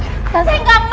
saya gak mau lihat kamu lagi